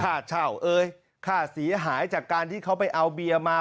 ค่าเช่าเอ้ยค่าเสียหายจากการที่เขาไปเอาเบียร์มา